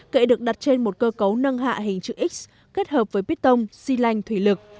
kệ được đặt trên một cơ cấu nâng hạ hình chữ x kết hợp với bít tông xi lanh thủy lực